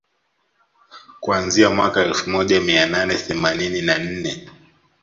kuanzia mwaka elfu moja mia nane themanini na nne